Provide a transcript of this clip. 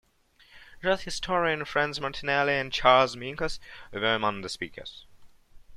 Jazz historian Franz Martinelli and Charles Minkus were among the speakers.